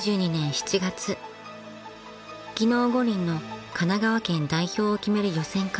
［技能五輪の神奈川県代表を決める予選会］